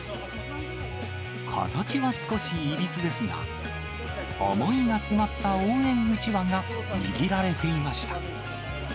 形は少しいびつですが、思いが詰まった応援うちわが握られていました。